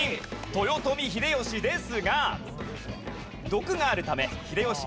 豊臣秀吉ですが。